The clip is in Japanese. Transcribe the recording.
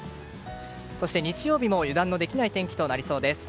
そして日曜日も油断のできない天気となりそうです。